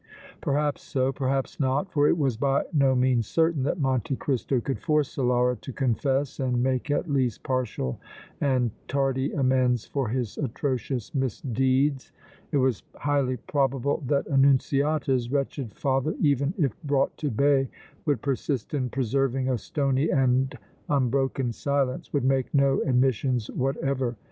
Perhaps so, perhaps not, for it was by no means certain that Monte Cristo could force Solara to confess and make at least partial and tardy amends for his atrocious misdeeds. It was highly probable that Annunziata's wretched father, even if brought to bay, would persist in preserving a stony and unbroken silence, would make no admissions whatever.